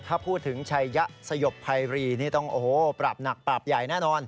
ถ้าพูดถึงชัยยะสยบภัยรีนี่ต้องโอ้โหปราบหนักปราบใหญ่แน่นอน